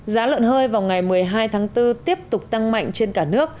giá lợn hơi vào ngày một mươi hai tháng bốn tiếp tục tăng mạnh trên cả nước